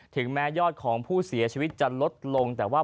ถึงแม้ยอดของผู้เสียชีวิตจะลดลงแต่ว่า